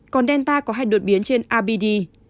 còn delta có hai đột biến trên abd